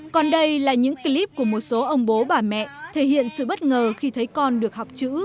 còn đây là những clip của một số ông bố bà mẹ thể hiện sự bất ngờ khi thấy con được học chữ